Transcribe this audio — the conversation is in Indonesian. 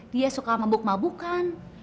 dia suka mabuk mabukan